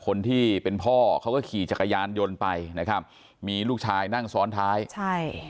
คนที่เป็นพ่อเขาก็ขี่จักรยานยนต์ไปนะครับมีลูกชายนั่งซ้อนท้ายใช่